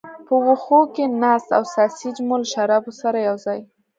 په وښو کې ناست او ساسیج مو له شرابو سره یو ځای.